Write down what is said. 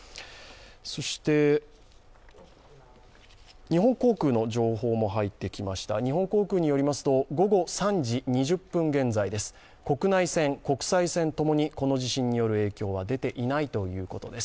そして、日本航空の情報も入ってきました日本航空によりますと午後３時２０分現在、国内線、国際線ともにこの地震による影響は出ていないということです。